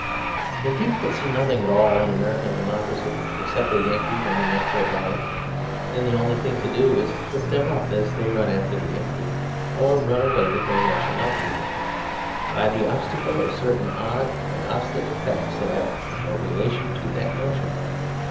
When people can see nothing at all in American democracy except a Yankee running after a dollar, then the only thing to do is to trip them up as they run after the Yankee, or run away with their notion of the Yankee, by the obstacle of certain odd and obstinate facts that have no relation to that notion.